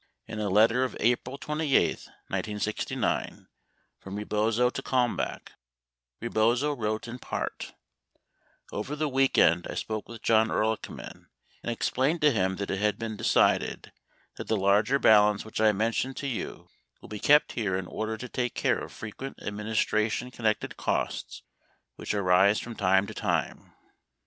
In a letter of April 28, 1969, from Rebozo to Kalmbach, Rebozo wrote in part: Over the weekend, I spoke with John Ehrlichman and ex plained to him that it had been decided that the larger balance which I mentioned to you will be kept here in order to take care of frequent administration connected costs which arise from time to time.